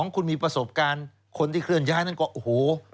คุณมีประสบการณ์คนที่เคลื่อนย้ายนั่นก็โอ้โห